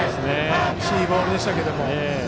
厳しいボールでしたけど。